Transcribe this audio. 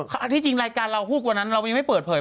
แล้วหลังจากนั้นน่ะน้องเค้าก็ดูลขุดต่อเลย